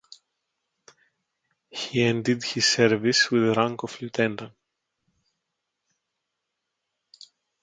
He ended his service with the rank of lieutenant.